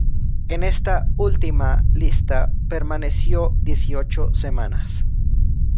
En esta última lista permaneció dieciocho semanas.